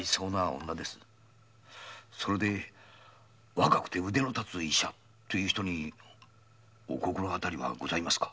それで若くて腕のたつ医者という人に心当たりはございますか。